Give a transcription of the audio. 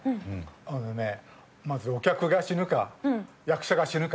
あのねまずお客が死ぬか役者が死ぬか。